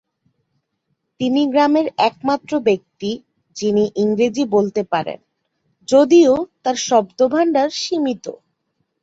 তিনি গ্রামের একমাত্র ব্যক্তি যিনি ইংরেজি বলতে পারেন, যদিও তার শব্দভাণ্ডার সীমিত।